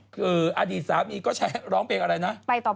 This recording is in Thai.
คืออดีตสามีก็ใช้ร้องเพลงอะไรนะ